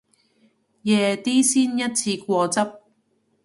夜啲先一次過執